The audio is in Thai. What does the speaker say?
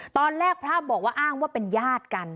ตอนแรกพระบอกว่าอ้างว่าเป็นญาติกัน